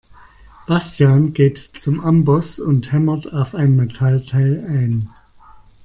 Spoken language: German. Bastian geht zum Amboss und hämmert auf ein Metallteil ein.